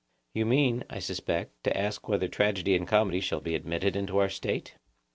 You mean, I suspect, to ask whether tragedy and comedy shall be admitted into our State?